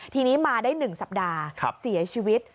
ทีนี้มาได้๑สัปดาห์เสียชีวิต